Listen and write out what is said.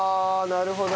なるほど。